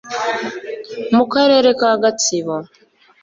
mu Karere ka Gatsibo